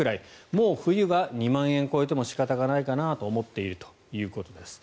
もう冬は２万円超えても仕方がないかなと思っているということです。